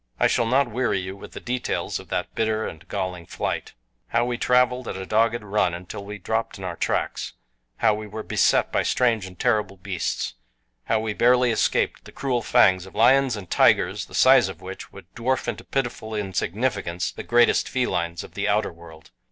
I shall not weary you with the details of that bitter and galling flight. How we traveled at a dogged run until we dropped in our tracks. How we were beset by strange and terrible beasts. How we barely escaped the cruel fangs of lions and tigers the size of which would dwarf into pitiful insignificance the greatest felines of the outer world.